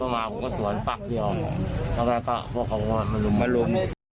อะไรก็พวกเขาบอกว่ามาลุ้มมาลุ้ม